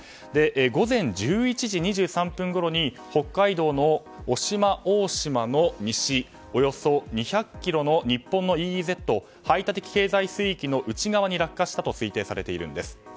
午前１１時２３分ごろに北海道の渡島大島の西およそ２００ｋｍの日本のＥＥＺ・排他的経済水域の内側に落下したと推定されているんです。